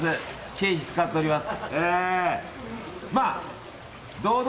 経費使っております。